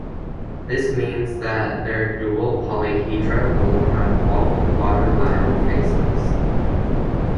This means that their dual polyhedra will have all quadrilateral faces.